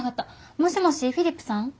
もしもしフィリップさん？